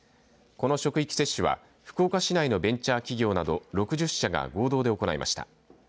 この職域接種は福岡市内のベンチャー企業など６０社が合同で行いました。